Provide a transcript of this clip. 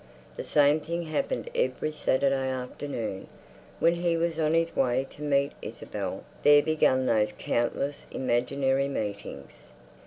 The same thing happened every Saturday afternoon. When he was on his way to meet Isabel there began those countless imaginary meetings.